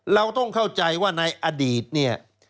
เราต้องเข้าใจว่าในอดีตเนี่ย